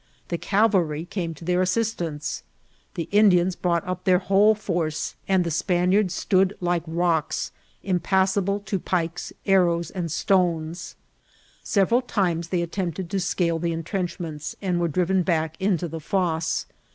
The caTalrj came to their aesistanoe. The Indians teought up their wiiote force, and the Spaaiarda stood like rooks, impassable to pikes, arrows, and stones. Sev* ^al times they attempted to scale the intrenchments, and were driven back into the fosse.